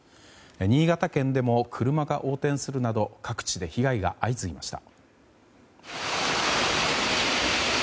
新潟県でも車が横転するなど各地で被害が相次ぎました。